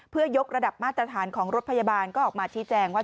เพื่อยกระดับมาตรฐานของรถพยาบาลก็ออกมาชี้แจงว่า